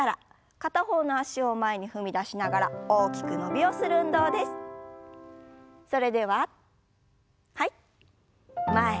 片方の脚を前に踏み出しながら大きく伸びをしましょう。